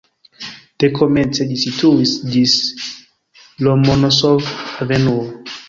Dekomence ĝi situis ĝis Lomonosov-avenuo.